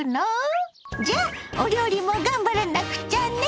じゃあお料理も頑張らなくちゃね！